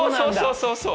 そうそうそう。